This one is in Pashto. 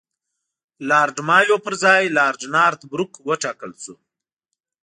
لارډ مایو پر ځای لارډ نارت بروک وټاکل شو.